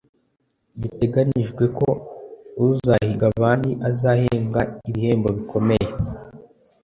Biteganijwe ko uzahiga abandi azahembwa ibihembo bikomeye